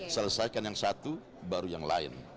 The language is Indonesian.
selesaikan yang satu baru yang lain